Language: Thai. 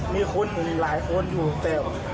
มีคนหรือหลายคนอยู่เจ้า